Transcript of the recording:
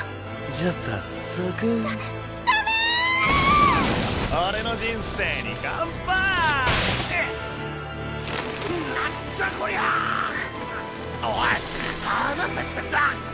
じゃ早速ダダメ‼俺の人生にかんぱいっ⁉なんじゃこりゃ⁉ふぅおい放せってんだ！